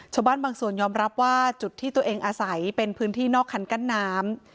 บางส่วนยอมรับว่าจุดที่ตัวเองอาศัยเป็นพื้นที่นอกคันกั้นน้ำ